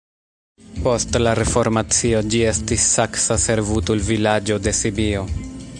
Post la reformacio ĝi estis saksa servutulvilaĝo de Sibio.